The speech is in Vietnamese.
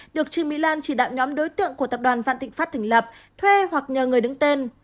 được trương mỹ lan chỉ đạo nhóm đối tượng của tập đoàn vạn thịnh pháp thành lập thuê hoặc nhờ người đứng tên